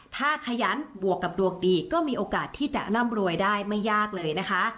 ถ้าขยันบวกกับดวงดีก็มีโอกาสที่จะร่ำรวยได้ไม่ยากเลยนะคะ